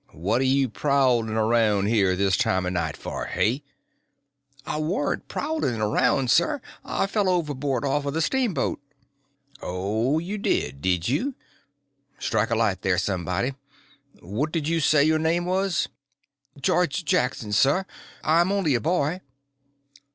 "What are you prowling around here this time of night for—hey?" "I warn't prowling around, sir, I fell overboard off of the steamboat." "Oh, you did, did you? Strike a light there, somebody. What did you say your name was?" "George Jackson, sir. I'm only a boy."